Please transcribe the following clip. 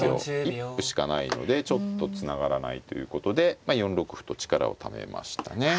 一歩しかないのでちょっとつながらないということで４六歩と力をためましたね。